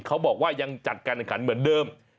เขาบอกว่ายังจัดการแข่งขันเหมือนเดิม